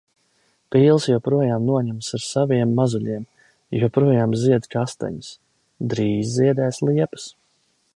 Pīles joprojām noņemas ar saviem mazuļiem. Joprojām zied kastaņas. Drīz ziedēs liepas.